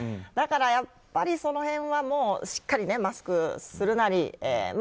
だから、やっぱりその辺はしっかりマスクをするなり。